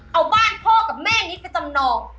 เอาบ้านพ่อกับแม่นี้ไปจำนอง